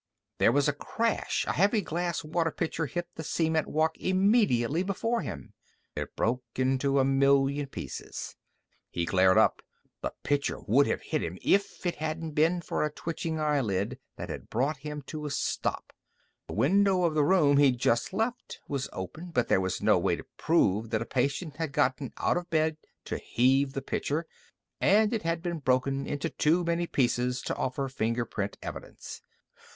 There was a crash. A heavy glass water pitcher hit the cement walk immediately before him. It broke into a million pieces. He glared up. The pitcher would have hit him if it hadn't been for a twitching eyelid that had brought him to a stop. The window of the room he'd just left was open, but there was no way to prove that a patient had gotten out of bed to heave the pitcher. And it had broken into too many pieces to offer fingerprint evidence.